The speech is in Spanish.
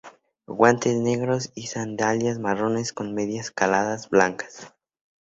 Guantes negros y sandalias marrones con medias caladas blancas.